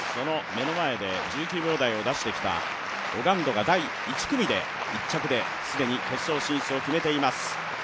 目の前で１９秒台を出してきたオガンドが第１組で１着で既に決勝進出を決めています。